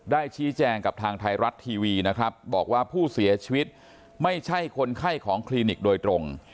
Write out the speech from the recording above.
ชี้แจงกับทางไทยรัฐทีวีนะครับบอกว่าผู้เสียชีวิตไม่ใช่คนไข้ของคลินิกโดยตรง